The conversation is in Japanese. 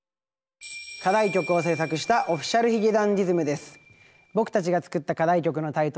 課題曲を制作したＯｆｆｉｃｉａｌ髭男ｄｉｓｍです。